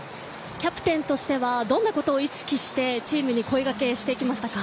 キャプテンとしてはどんなことを意識して、チームに声がけをしていきましたか？